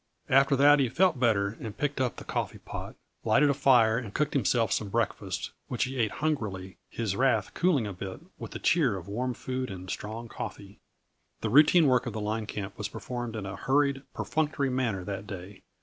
After that he felt better and picked up the coffee pot, lighted a fire and cooked himself some breakfast, which he ate hungrily, his wrath cooling a bit with the cheer of warm food and strong coffee. The routine work of the line camp was performed in a hurried, perfunctory manner that day.